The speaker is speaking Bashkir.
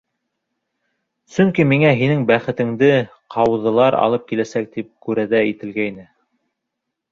Сөнки миңә, һинең бәхетеңде ҡауҙылар алып киләсәк, тип күрәҙә ителгәйне!